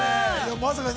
まさかね